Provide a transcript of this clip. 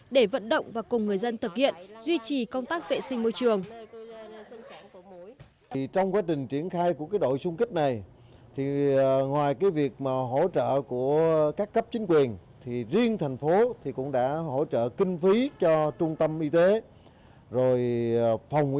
để vận động và cùng người dân thực hiện duy trì công tác vệ sinh môi trường